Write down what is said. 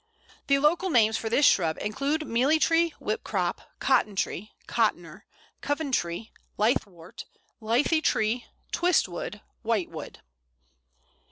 The local names for this shrub include Mealy tree, Whipcrop, Cotton tree, Cottoner, Coventree, Lithe wort, Lithy tree, Twist wood, White wood.